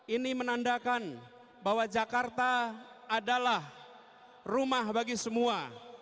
ini menandakan bahwa jakarta adalah rumah bagi semua